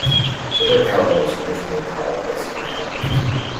The brick tower was originally tall placed on a hill.